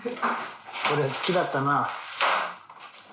これ好きだったな。